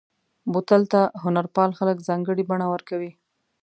بوتل ته هنرپال خلک ځانګړې بڼه ورکوي.